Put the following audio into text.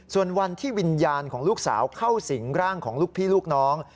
ส่วนวันที่วิญญาณของลูกสาวเข้าสิงร่างของลูกพี่ลูกน้อง